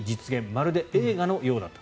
まるで映画のようだった。